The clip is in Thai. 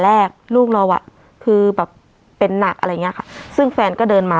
ลูกเราอ่ะคือแบบเป็นหนักอะไรอย่างเงี้ยค่ะซึ่งแฟนก็เดินมา